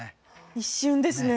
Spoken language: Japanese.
一瞬ですね。